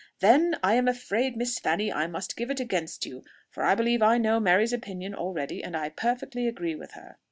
"Then I am afraid, Miss Fanny, I must give it against you; for I believe I know Mary's opinion already, and I perfectly agree with her."